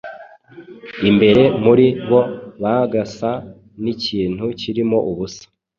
Imbere muri bo bagasa n’ikintu kirimo ubusa.